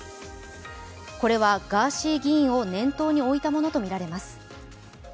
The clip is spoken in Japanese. これはガーシー議員を念頭に置いたものとみられます。